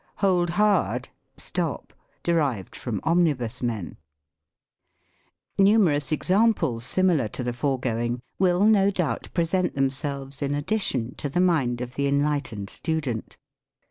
Hold hard (stop,) Omnibus men. Numerous examples, similar to the foregoing, will, no doubt, present themselves, in addition, to the mind of the enlightened student.